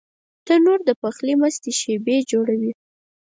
تنور د پخلي مستې شېبې جوړوي